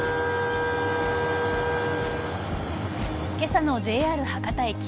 今朝のＪＲ博多駅。